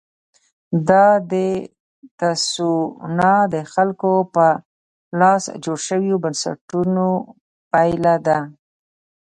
دا د تسوانا د خلکو په لاس جوړ شویو بنسټونو پایله ده.